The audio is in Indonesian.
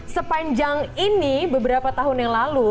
sepanjang ini beberapa tahun yang lalu